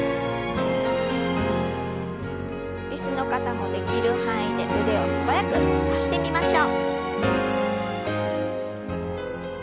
椅子の方もできる範囲で腕を素早く伸ばしてみましょう。